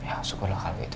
ya syukurlah kalau gitu